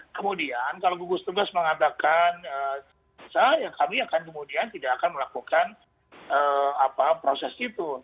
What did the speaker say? kemudian kalau gugus tugas mengatakan kami akan kemudian tidak akan melakukan proses itu